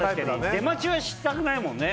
出待ちはしたくないもんね。